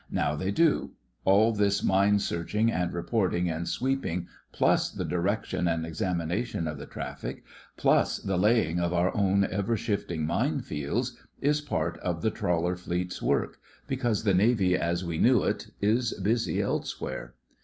Now they do. All this mine searching and reporting and sweeping, plus the direction and examination of the traffic, phis the THE FRINGES OF THE FLEET 11 laying of our own ever shifting mine fields, is part of the Trawler Fleet's work, because the Navy as we knew it is busy elsewhere.